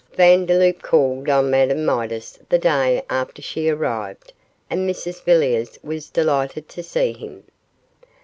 Vandeloup called on Madame Midas the day after she arrived, and Mrs Villiers was delighted to see him.